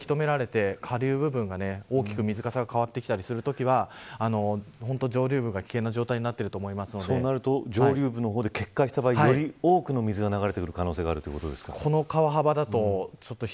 せき止められて、下流部分の水かさが、大きく変わってきたりするときは上流部が危険な状態にそうなると上流部の方で決壊した場合より多くの水が流れてくる可能性があるということですか。